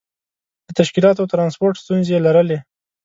د تشکیلاتو او ترانسپورت ستونزې یې لرلې.